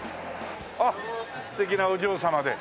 あっ素敵なお嬢様で。